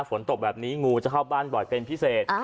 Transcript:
ฝนตกแบบนี้งูจะเข้าบ้านบ่อยเป็นพิเศษ